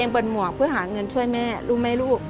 เพื่อหาเงินช่วยแม่รู้ไหมลูก